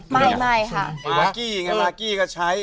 ไม่ค่ะมักกี้อย่างนั้นมักกี้ก็ใช้